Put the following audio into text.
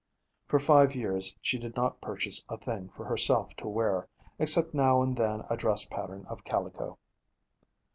For five years she did not purchase a thing for herself to wear, except now and then a dress pattern of calico.